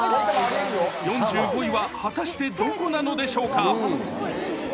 ４５位は果たしてどこなのでしょうか。